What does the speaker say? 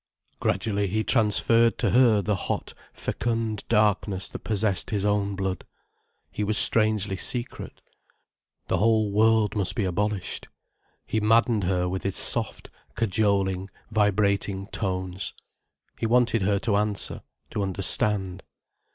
Gradually he transferred to her the hot, fecund darkness that possessed his own blood. He was strangely secret. The whole world must be abolished. He maddened her with his soft, cajoling, vibrating tones. He wanted her to answer, to understand.